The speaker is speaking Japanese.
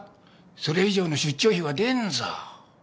それ以上の出張費は出んぞ。